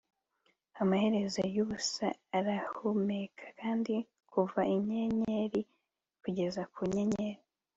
Amaherezo yubusa arahumeka kandi kuva inyenyeri kugeza ku nyenyeri